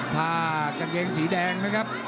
ถ้ากางเกงสีแดงนะครับ